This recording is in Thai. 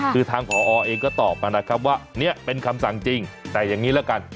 คือทางผอเองก็ตอบมานะครับว่าเนี่ยเป็นคำสั่งจริงแต่อย่างนี้ละกัน